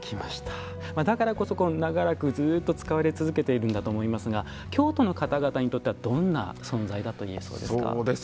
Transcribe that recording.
だからこそ長らくずっと、使われ続けているんだと思いますが京都の方々にとってはどんな存在だといえそうですか。